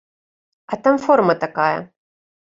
А там форма такая.